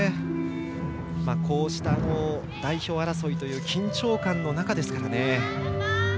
こうした代表争いという緊張感の中ですからね。